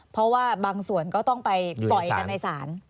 เพราะว่าบางส่วนก็ต้องไปต่อยกันในศาล